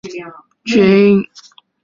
在晋官至安西参军。